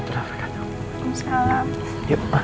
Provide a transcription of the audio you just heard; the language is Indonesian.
terima kasih ya ma